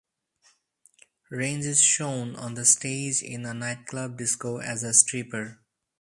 Range is shown on the stage in a nightclub disco as a stripper.